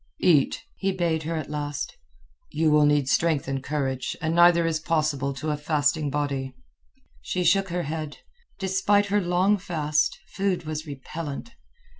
"Eat," he bade her at last. "You will need strength and courage, and neither is possible to a fasting body." She shook her head. Despite her long fast, food was repellent.